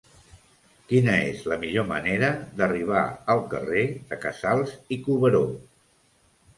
Quina és la millor manera d'arribar al carrer de Casals i Cuberó?